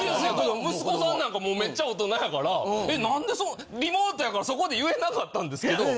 息子さんなんかもうめっちゃ大人やから「え何で」リモートやからそこで言えなかったんですけど。